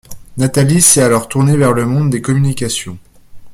Nathalie s'est alors tournée vers le monde des communications.